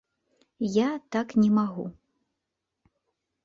Я так не магу.